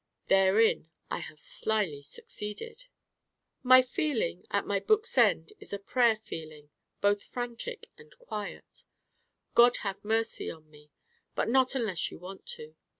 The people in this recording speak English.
_ Therein I have slyly Succeeded. My feeling at my book's end is a prayer feeling, both frantic and quiet: God have mercy on me! but not unless you want to.